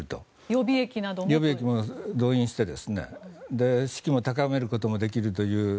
予備役なども動員して士気も高めることもできるという。